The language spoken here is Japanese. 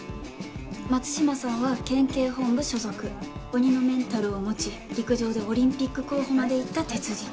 松島さんは県警本部所属鬼のメンタルを持ち陸上でオリンピック候補まで行った鉄人。